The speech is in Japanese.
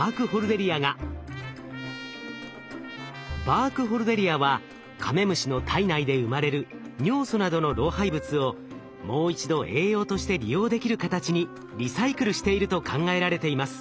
バークホルデリアはカメムシの体内で生まれる尿素などの老廃物をもう一度栄養として利用できる形にリサイクルしていると考えられています。